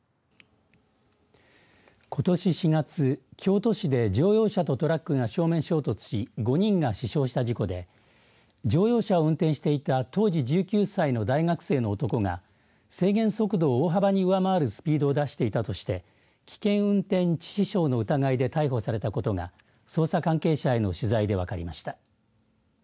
ことし４月、京都市で乗用車とトラックが正面衝突し５人が死傷した事故で乗用車を運転していた当時１９歳の大学生の男が制限速度を大幅に上回るスピードを出していたとして危険運転致死傷の疑いで逮捕されたことが捜査関係者への取材で分かりました。